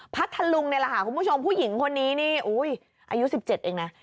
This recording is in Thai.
พัทธลุงนี่แหละค่ะคุณผู้ชมผู้หญิงคนนี้นี่อายุ๑๗เองนะ